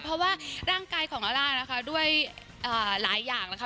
เพราะว่าร่างกายของลาล่านะคะด้วยหลายอย่างนะคะ